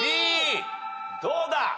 どうだ？